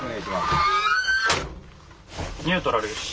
ニュートラルよし。